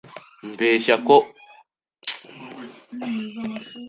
mbeshya ko uwo mukobwa adakunda kuboneka.